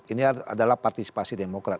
ini adalah partisipasi demokrat